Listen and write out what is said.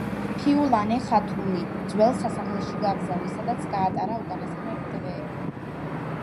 ფიულანე ხათუნი ძველ სასახლეში გაგზავნეს, სადაც გაატარა უკანასკნელი დღეები.